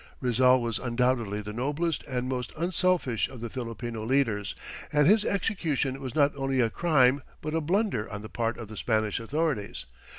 Rizal was undoubtedly the noblest and most unselfish of the Filipino leaders, and his execution was not only a crime but a blunder on the part of the Spanish authorities.